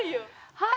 はい。